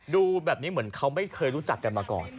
ดูแบบนี้เหมือนเขาไม่เคยรู้จักกันมาก่อน